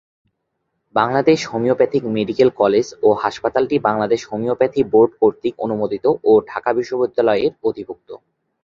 Bangladesh homeopathic medical college ও হাসপাতালটি Bangladesh homeopathy board কর্তৃক অনুমোদিত ও ঢাকা বিশ্ববিদ্যালয়ের অধিভুক্ত।